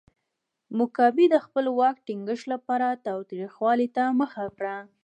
موګابي د خپل واک ټینګښت لپاره تاوتریخوالي ته مخه کړه.